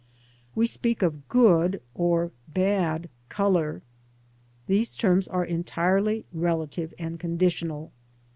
We speak of "good'' or "bad" colour. These terms are entirely relative and conditional.